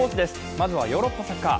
まずはヨーロッパサッカー。